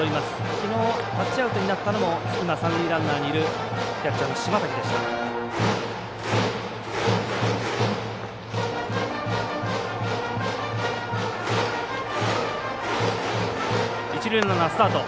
きのうタッチアウトになったのも三塁ランナーにいるキャッチャーの島瀧でした。